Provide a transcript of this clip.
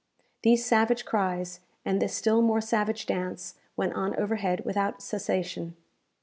These savage cries, and this still more savage dance, went on overhead without cessation.